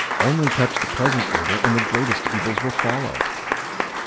" Only touch the present order and the greatest evils will follow."